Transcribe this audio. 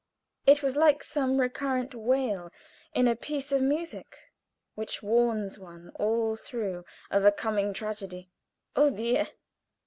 It was like some recurrent wail in a piece of music, which warns one all through of a coming tragedy. "Oh, dear!